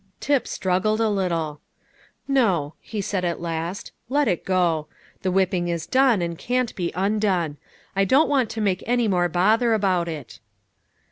Tip struggled a little. "No," he said at last, "let it go. The whipping is done, and can't be undone; I don't want to make any more bother about it."